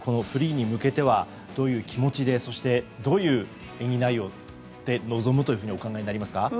フリーに向けてはどういう気持ちでどういう演技内容で望むというふうにお考えになりますか？